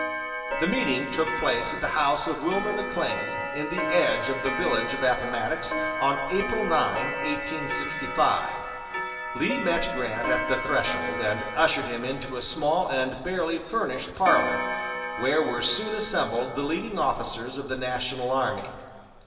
The meeting took place at the house of Wilmer McLean, in the edge of the village of Appomattox, on April 9, 1865. Lee met Grant at the threshold, and ushered him into a small and barely furnished parlor, where were soon assembled the leading officers of the national army.